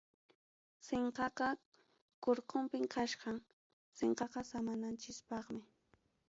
Sinqaqa kurkupim kachkan, sinqaqa samananchikpaqmi.